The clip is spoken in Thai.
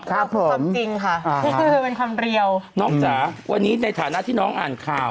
ครับผมครับจริงค่ะเป็นคำเรียวน้องจ๋าวันนี้ในฐานะที่น้องอ่านค่าว